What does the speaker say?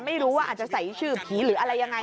ไม่รู้ว่าอาจจะใส่ชื่อผีหรืออะไรยังไง